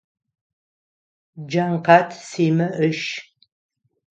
Джанкъат Симэ ыш.